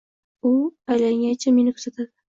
U aylangancha meni kuzatadi…